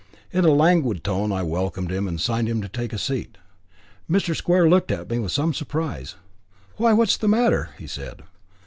In a languid tone I welcomed him and signed to him to take a seat. Mr. Square looked at me with some surprise. "Why, what's the matter?" he said.